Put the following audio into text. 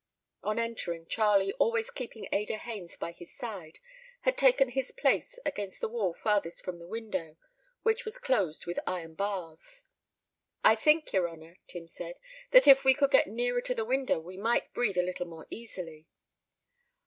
On entering, Charlie, always keeping Ada Haines by his side, had taken his place against the wall farthest from the window, which was closed with iron bars. "I think, yer honour," Tim said, "that if we could get nearer to the window we might breathe a little more easily."